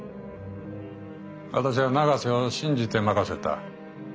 私は永瀬を信じて任せた。